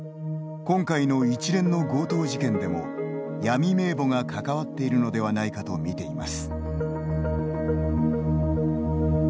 今回の一連の強盗事件でも闇名簿が関わっているのではないかとみています。